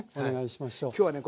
今日はね